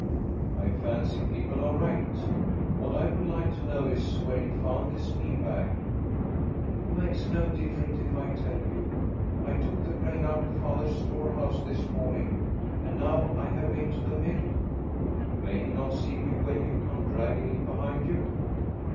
" I fancy people are right. What I would like to know is, where you found this meal bag." " It makes no difference if I tell you. I took the grain out of father's store house this morning, and now I have been to the mill." " May he not see you when you come dragging it behind you?"